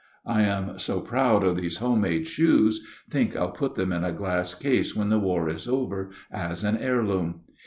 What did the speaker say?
I am so proud of these home made shoes, think I'll put them in a glass case when the war is over, as an heirloom.